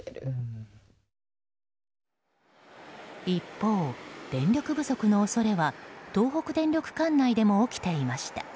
一方、電力不足の恐れは東北電力管内でも起きていました。